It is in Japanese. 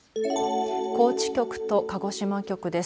高知局と鹿児島局です。